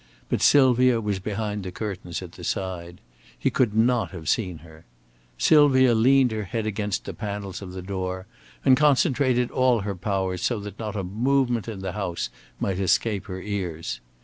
But Sylvia was behind the curtains at the side. He could not have seen her. Sylvia leaned her head against the panels of the door and concentrated all her powers so that not a movement in the house might escape her ears.